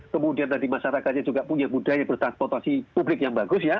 kemudian tadi masyarakatnya juga punya budaya bertransportasi publik yang bagus ya